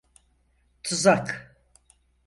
Tuzak…